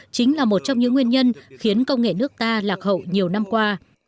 chính là một trong những nguyên nhân khiến công nghệ nước ta lạc hậu nhiều năm qua